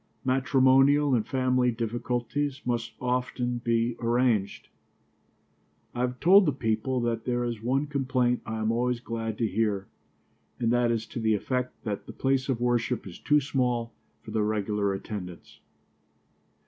Matrimonial and family difficulties must often be arranged. I have told the people that there is one complaint I am always glad to hear, and that is to the effect that the place of worship is too small for the regular attendants.